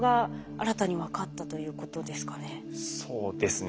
そうですね。